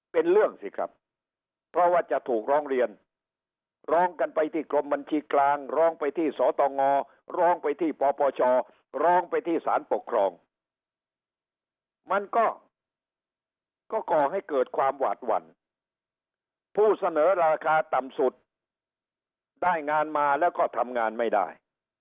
เป็นเรื่องสิครับเพราะว่าจะถูกร้องเรียนร้องกันไปที่กรมบัญชีกลางร้องไปที่สตงร้องไปที่ปปชร้องไปที่สารปกครองมันก็ก่อให้เกิดความหวาดหวั่นผู้เสนอราคาต่ำสุดได้งานมาแล้วก็ทำงานไม่ได้